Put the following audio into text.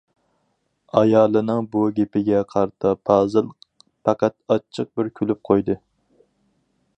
ئايالىنىڭ بۇ گېپىگە قارىتا پازىل پەقەت ئاچچىق بىر كۈلۈپ قويدى.